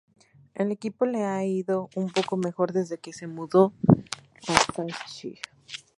El equipo le ha ido un poco mejor desde que se mudó a Shanxi.